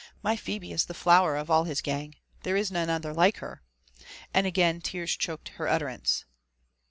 My Phebe is the flower of all his gang — there is none other like her !" And again tears choked her utterance.